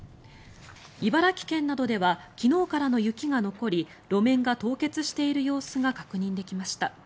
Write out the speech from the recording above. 茨城県などでは昨日からの雪が残り路面が凍結している様子が確認できました。